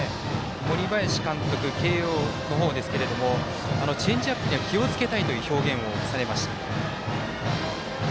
森林監督、慶応の方ですがチェンジアップには気をつけたいという表現をされました。